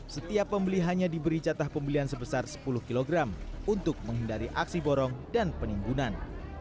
setiap pembeli hanya diberi jatah pembelian sebesar sepuluh kg untuk menghindari aksi borong dan penimbunan